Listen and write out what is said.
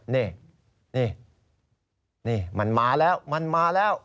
นี่นี่มันมาแล้วมันมาแล้ว